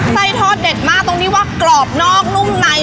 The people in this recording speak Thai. ไส้ทอดเด็ดมากตรงที่ว่ากรอบนอกนุ่มใน